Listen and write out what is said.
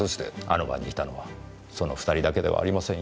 あの場にいたのはその２人だけではありませんよ。